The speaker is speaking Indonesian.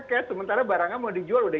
cash sementara barangnya mau dijual udah